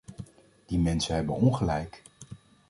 Die mensen hebben ongelijk.